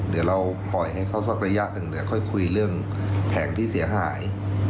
เดี๋ยวเราปล่อยให้เขาชอบระยะนึงคุยเรื่องแผงที่เสียหาย